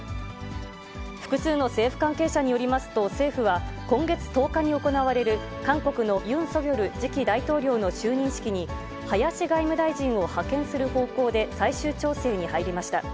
複数の政府関係者によりますと、政府は、今月１０日に行われる韓国のユン・ソギョル次期大統領の就任式に、林外務大臣を派遣する方向で最終調整に入りました。